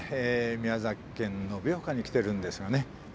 宮崎県延岡に来てるんですがね